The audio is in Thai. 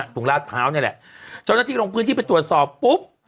ศูนย์ลาภาวนี่แหละเจ้านักที่ลงพื้นที่ไปตรวจสอบปุ๊บ